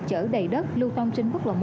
chở đầy đất lưu thông trên quốc lộ một